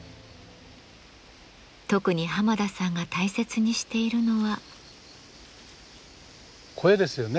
特に浜田さんが大切にしているのは。